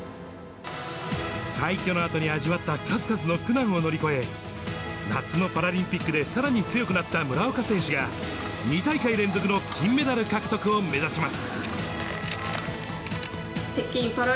快挙のあとに味わった数々の苦難を乗り越え、夏のパラリンピックでさらに強くなった村岡選手が、２大会連続の金メダル獲得を目指します。